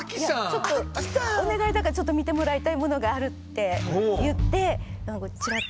ちょっとお願いだからちょっと見てもらいたいものがあるって言ってちらっとこう。